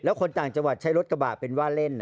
คนต่างจังหวัดใช้รถกระบะเป็นว่าเล่น